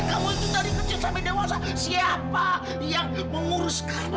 kamu itu dari kecil sampai dewasa siapa yang mengurus kamu